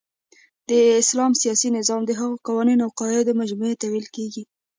د اسلام سیاسی نظام د هغو قوانینو اوقواعدو مجموعی ته ویل کیږی